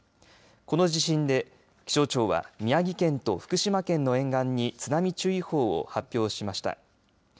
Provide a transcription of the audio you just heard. この地震で気象庁は宮城県と福島県の沿岸に津波注意報を発表しました。